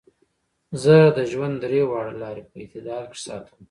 زۀ د ژوند درې واړه لارې پۀ اعتدال کښې ساتم -